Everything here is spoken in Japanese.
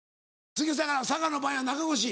次だから佐賀の番や中越。